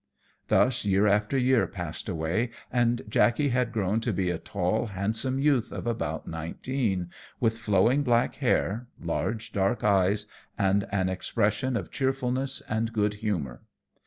Thus year after year passed away, and Jackey had grown to be a tall, handsome youth of about nineteen, with flowing black hair, large dark eyes, and an expression of cheerfulness and good humour.